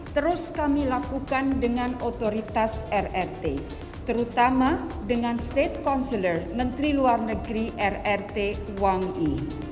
terus kami lakukan dengan otoritas rrt terutama dengan state council menteri luar negeri rrt wangi